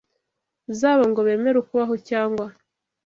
zabo ngo bemere ukubaho cyangwa